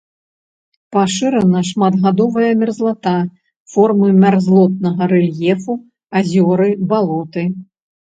Пашырана шматгадовая мерзлата, формы мярзлотнага рэльефу, азёры, балоты.